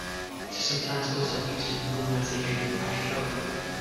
It is sometimes also used in the romanization of Pashto.